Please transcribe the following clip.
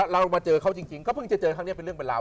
เรามาเจอเขาจริงก็เพิ่งจะเจอครั้งนี้เป็นเรื่องเป็นราว